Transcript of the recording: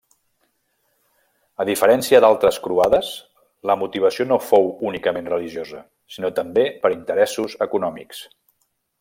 A diferència d'altres croades la motivació no fou únicament religiosa, sinó també per interessos econòmics.